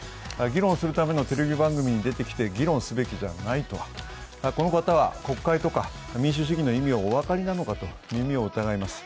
議論するためのテレビ番組に出てきて、議論すべきじゃないとは、この方は国会とか民主主義の意味をお分かりなのかと耳を疑います。